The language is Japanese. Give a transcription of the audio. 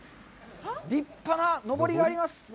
立派なのぼりがあります。